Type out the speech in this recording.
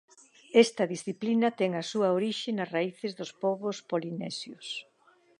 Esta disciplina ten a súa orixe nas raíces dos pobos polinesios.